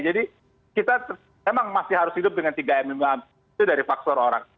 jadi kita memang masih harus hidup dengan tiga m lima m itu dari faktor orang